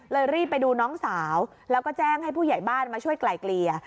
รีบไปดูน้องสาวแล้วก็แจ้งให้ผู้ใหญ่บ้านมาช่วยไกลเกลี่ย